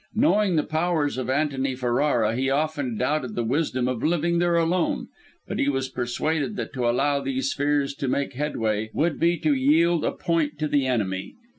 Knowing the powers of Antony Ferrara he often doubted the wisdom of living there alone, but he was persuaded that to allow these fears to make headway, would be to yield a point to the enemy.